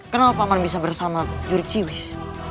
kenal paman bisa bersama jurik ciwis